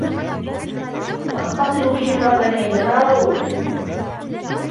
سأتصل بهم غداً عندما أعود.